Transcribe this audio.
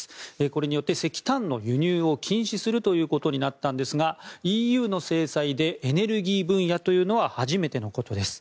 これによって石炭の輸入を禁止するということになったんですがＥＵの制裁でエネルギー分野というのは初めてのことです。